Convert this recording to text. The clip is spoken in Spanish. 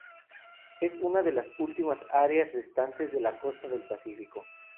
Es una de las últimas áreas restantes de la costa del Pacífico.